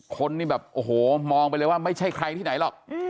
คนนี่แบบโอ้โหมองไปเลยว่าไม่ใช่ใครที่ไหนหรอก